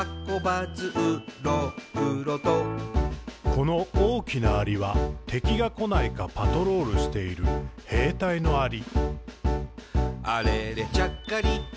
「この大きなアリは、敵がこないか、パトロールしている兵隊のアリ。」